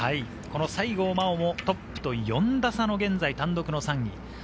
西郷真央もトップと４打差の単独３位。